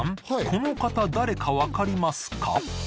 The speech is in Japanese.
この方誰か分かりますか？